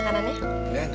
nakusin dan bel unggit aja